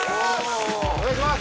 お願いします